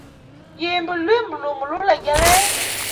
Yimba lwimbo lumo lulegele.